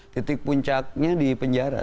titik puncaknya di penjara